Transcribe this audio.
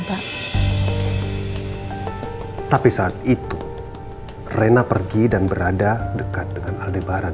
hai tapi saat itu rena pergi dan berada dekat dengan aldebaran